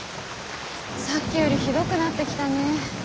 さっきよりひどくなってきたね。